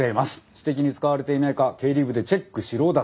私的に使われていないか経理部でチェックしろだとよ。